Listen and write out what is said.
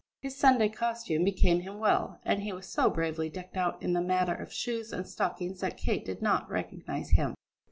His Sunday costume became him well, and he was so bravely decked out in the matter of shoes and stockings that Kate did not recognise him.